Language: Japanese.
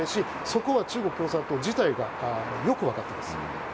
そこは中国共産党自体がよく分かっています。